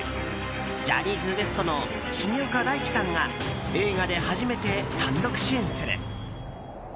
ジャニーズＷＥＳＴの重岡大毅さんが映画で初めて単独主演する。